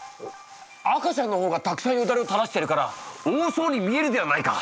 赤ちゃんのほうがたくさんよだれをたらしてるから多そうに見えるではないか！